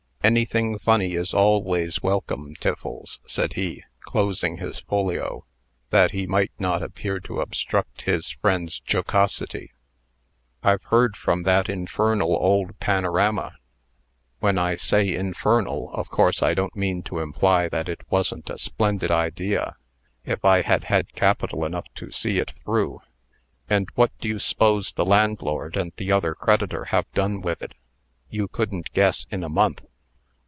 "Anything funny is always welcome, Tiffles," said he, closing his folio, that he might not appear to obstruct his friend's jocosity. "I've heard from that infernal old panorama when I say infernal, of course I don't mean to imply that it wasn't a splendid idea, if I had had capital enough to see it through and what do you s'pose the landlord and the other creditor have done with it? You couldn't guess in a month."